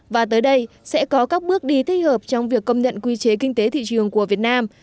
và tới đây sẽ có các bước đi thích hợp trong việc công nhận quy chế kinh tế thị trường của việt nam